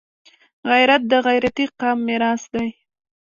غیرت د غیرتي قام میراث دی